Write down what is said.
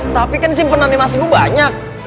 tapi kan simpenan emas ibu banyak